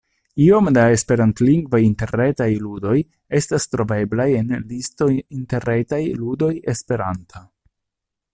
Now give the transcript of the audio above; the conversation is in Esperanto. Iom da esperantlingvaj interretaj ludoj estas troveblaj en listo Interretaj ludoj esperanta.